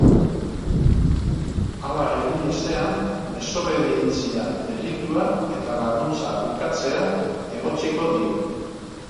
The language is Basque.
Hala egin ezean, desobedientzia delitua eta laguntza ukatzea egotziko dio.